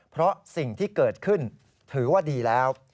เพราะสิ่งที่เกิดขึ้นถือว่าดีแล้ว